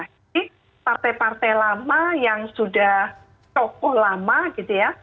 jadi partai partai lama yang sudah tokoh lama gitu ya